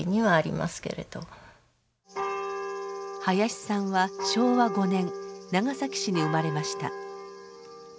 林さんは昭和５年長崎市に生まれました。